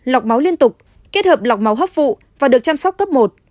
lọc máu liên tục kết hợp lọc máu hấp phụ và được chăm sóc cấp một